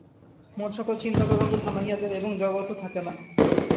মন সকল চিন্তাতরঙ্গ থামাইয়া দেয় এবং জগৎও থাকে না।